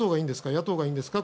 野党がいいんですか？